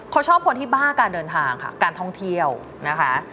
เขาชอบคนที่บ้าการเดินทางค่ะการท่องเที่ยวนะคะ